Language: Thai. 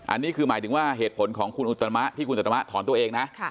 อันนี้คือหมายถึงว่าเหตุผลของคุณอุตมะที่คุณตัตมะถอนตัวเองนะ